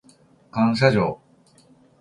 感謝状